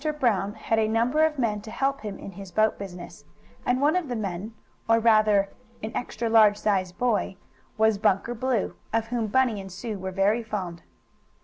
Brown had a number of men to help him in his boat business; and one of the men, or, rather, an extra large size boy, was Bunker Blue, of whom Bunny and Sue were very fond.